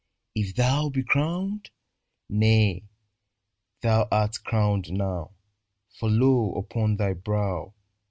If thou be crowned ? Nay, thou art crowned now ; For, lo ! upon thy brow.